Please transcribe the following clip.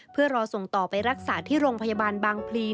เพื่อรอส่งต่อไปรักษาที่โรงพยาบาลบางพลี